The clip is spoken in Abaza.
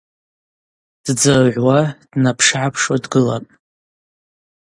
Ддзыргӏвуа, днапшыгӏапшуа дгылапӏ.